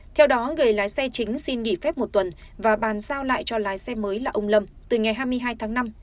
theo đó người lái xe chính xin nghỉ phép một tuần và bàn giao lại cho lái xe mới là ông lâm từ ngày hai mươi hai tháng năm